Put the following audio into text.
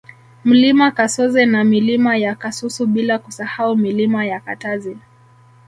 Mlima Kasoze na Milima ya Kasusu bila kusahau Milima ya Katazi